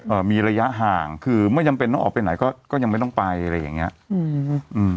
มีระยะห่างคือไม่จำเป็นต้องออกไปไหนก็ก็ยังไม่ต้องไปอะไรอย่างเงี้ยอืมอืม